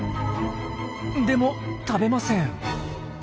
でも食べません。